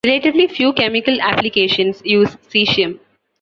Relatively few chemical applications use caesium.